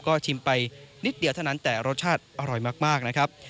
ก็ชิมไปนิดเดียวเท่านั้นแต่รสชาติอร่อยมากนะครับ